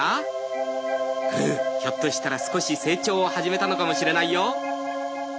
ひょっとしたら少し成長を始めたのかもしれないよ」。